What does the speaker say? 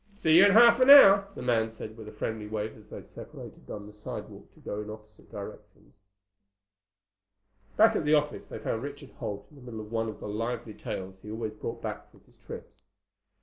"See you in half an hour," the man said with a friendly wave as they separated on the sidewalk to go in opposite directions. Back at the office they found Richard Holt in the middle of one of the lively tales he always brought back from his trips.